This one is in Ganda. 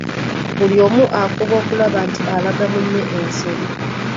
Buli omu afuba okulaba nti alaga munne ensobi.